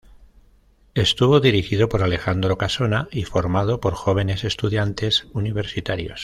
Estuvo dirigido por Alejandro Casona y formado por jóvenes estudiantes universitarios.